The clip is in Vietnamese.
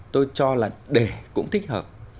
tôi cho là để cũng thích hợp